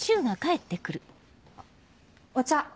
あっお茶。